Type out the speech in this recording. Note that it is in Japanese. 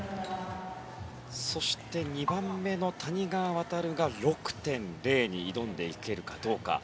そして、２番目の谷川航が６．０に挑んでいけるかどうか。